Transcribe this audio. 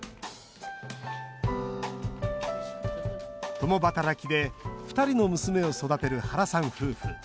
共働きで２人の娘を育てる原さん夫婦。